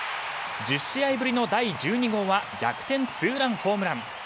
１０試合ぶりの第１２号は逆転ツーランホームラン。